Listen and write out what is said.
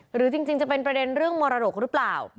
หรือจริงจะเป็นประเด็นเรื่องมรดกหรือเปล่า